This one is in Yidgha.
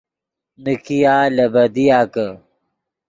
نیکیا لے بدیا کہ